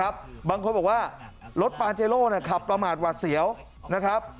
บางคนบอกว่ารถปาเจโร่ขับประมาทหวัดเสียวนะครับ